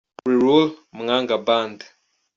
We Will Rule – Mwanga Band.